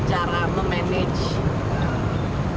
cara memanage tenaga swasta